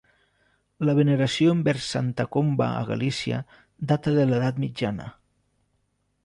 La veneració envers Santa Comba a Galícia data de l'Edat mitjana.